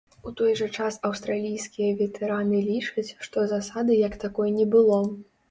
У той жа час аўстралійскія ветэраны лічаць, што засады як такой не было.